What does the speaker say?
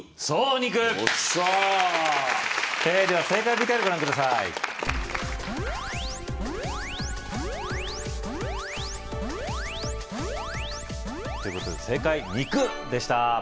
肉では正解ＶＴＲご覧くださいということで正解肉でした